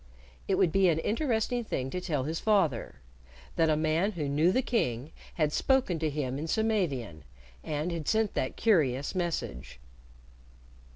It would be an interesting thing to tell his father that a man who knew the King had spoken to him in Samavian, and had sent that curious message.